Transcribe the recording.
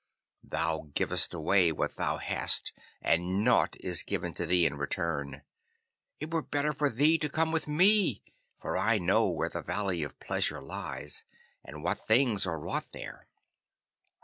Thou givest away what thou hast, and nought is given to thee in return. It were better for thee to come with me, for I know where the Valley of Pleasure lies, and what things are wrought there.